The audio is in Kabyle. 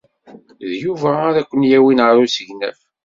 D Yuba ara ken-yawin ɣer usegnaf.